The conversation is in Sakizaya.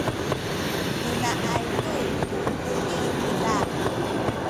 pinaay tu ku tuki ayza?